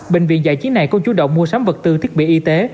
bệnh viện giải chiến này cũng chú động mua sắm vật tư thiết bị y tế